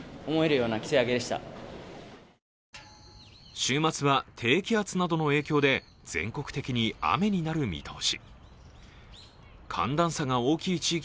週末は低気圧などの影響で全国的に雨になる見通し。